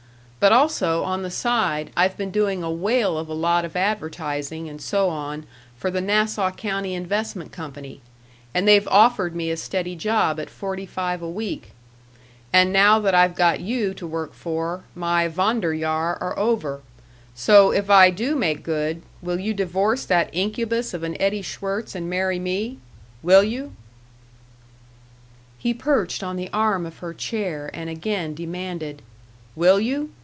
But, also, on the side, I've been doing a whale of a lot of advertising, and so on, for the Nassau County Investment Company, and they've offered me a steady job at forty five a week. And now that I've got you to work for, my Wanderjahre are over. So, if I do make good, will you divorce that incubus of an Eddie Schwirtz and marry me? Will you?" He perched on the arm of her chair, and again demanded: "Will you?